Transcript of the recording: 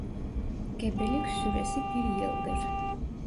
Gebelik süresi bir yıldır.